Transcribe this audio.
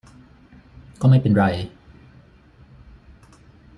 ก็ไม่เป็นไร